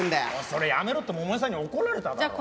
それやめろって桃代さんに怒られただろ？